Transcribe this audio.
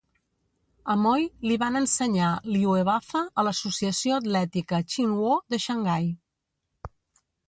A Moy li van ensenyar Liuhebafa a l'Associació Atlètica Chin Woo de Xangai.